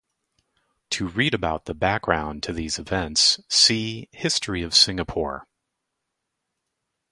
To read about the background to these events, see History of Singapore.